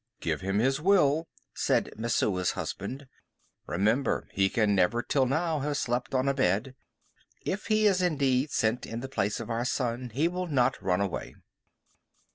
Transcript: "Give him his will," said Messua's husband. "Remember he can never till now have slept on a bed. If he is indeed sent in the place of our son he will not run away."